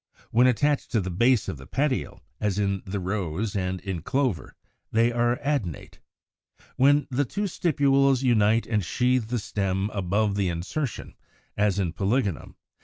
When attached to the base of the petiole, as in the Rose and in Clover (Fig. 177), they are adnate. When the two stipules unite and sheathe the stem above the insertion, as in Polygonum (Fig.